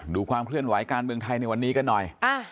ความเคลื่อนไหวการเมืองไทยในวันนี้กันหน่อย